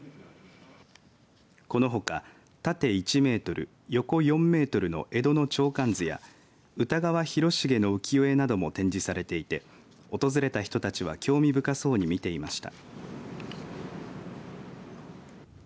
このほか縦１メートル、横４メートルの江戸の鳥観図や歌川広重の浮世絵なども展示されていて訪れた人たちは興味深そうに見ていました。